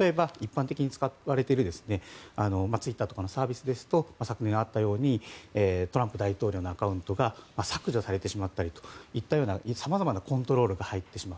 例えば、一般的に使われているツイッターとかのサービスですと昨年あったようにトランプ大統領のアカウントが削除されてしまったりというさまざまなコントロールが入ってしまう。